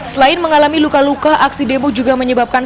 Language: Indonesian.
selain mengalami luka luka aksi demo juga menyebabkan